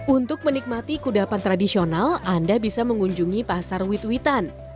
untuk menikmati kudapan tradisional anda bisa mengunjungi pasar witwitan